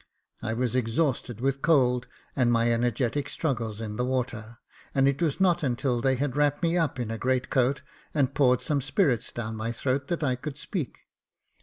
I was exhausted with cold and my energetic struggles in the water ; and it was not until they had wrapped me up in a great coat, and poured some spirits down my throat, that I could speak.